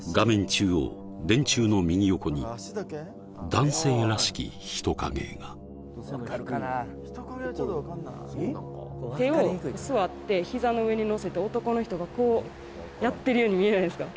中央電柱の右横に男性らしき人影が手を座ってひざの上にのせて男の人がこうやってるように見えないですか？